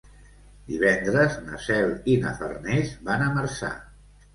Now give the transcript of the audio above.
Divendres na Cel i na Farners van a Marçà.